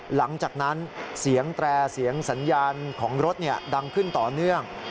หลังจากนั้นเสียงแตรเสียงสัญญาณของรถดังขึ้นต่อเนื่อง